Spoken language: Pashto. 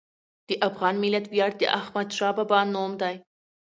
د افغان ملت ویاړ د احمدشاه بابا نوم دی.